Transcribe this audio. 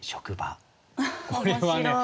これはね